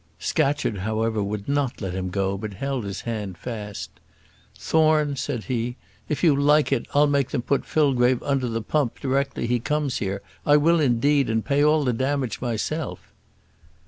Scatcherd, however, would not let him go, but held his hand fast. "Thorne," said he, "if you like it, I'll make them put Fillgrave under the pump directly he comes here. I will indeed, and pay all the damage myself."